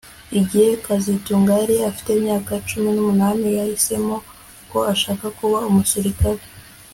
Igihe kazitunga yari afite imyaka cumi numunani yahisemo ko ashaka kuba umusirikare